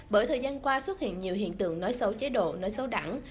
bởi thời gian qua xuất hiện nhiều hiện tượng nói xấu chế độ nói xấu đảng